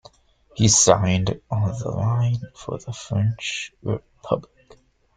He signed on the line for the French Republic.